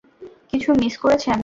কিছু মিস করেছেন?